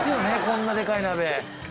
こんなでかい鍋。